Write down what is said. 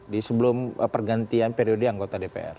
di sebelum pergantian periode anggota dpr